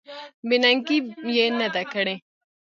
بې ننګي یې نه ده کړې.